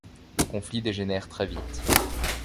Le conflit dégénère très vite.